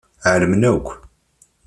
Ɛelmen akk.